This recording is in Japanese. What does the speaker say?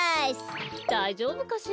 だいじょうぶかしら？